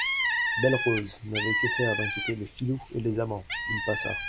Belle-Rose n'avait que faire d'inquiéter les filous et les amants : il passa.